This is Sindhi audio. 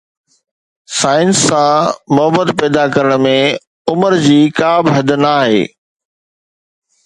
سائنس سان محبت پيدا ڪرڻ ۾ عمر جي ڪا به حد ناهي